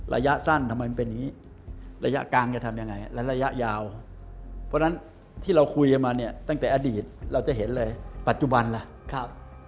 ระยะสั้นทำไมมันเป็นอย่างนี้ระยะกลางจะทำยังไงและระยะยาวเพราะฉะนั้นที่เราคุยกันมาเนี่ยตั้งแต่อดีตเราจะเห็นเลยปัจจุบันล่ะ